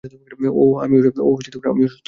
ওহ, আমি অসুস্থ!